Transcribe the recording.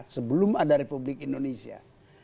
sebelum ada republik indonesia